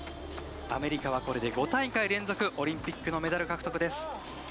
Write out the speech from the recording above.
アメリカは、５大会連続オリンピックのメダル獲得です。